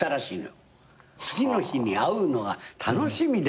次の日に会うのが楽しみで。